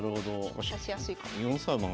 指しやすいかも。